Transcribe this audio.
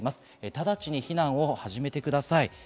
直ちに避難を始めてください。